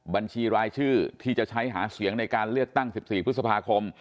บัญชีรายชื่อที่จะใช้หาเสียงในการเลือกตั้ง๑๔พฤษภาคม